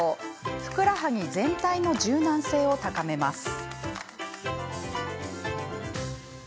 ふくらはぎ全体の柔軟性を高めます。